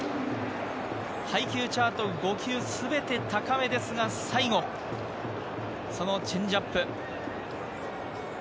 配球チャート、５球すべて高めですが、最後そのチェンジアップ。